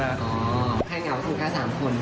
อ๋อใครเหงาสมความค่า๓คน